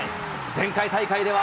前回大会では。